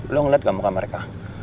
lo ngeliat gak muka mereka